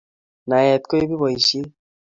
Naet koipu boishet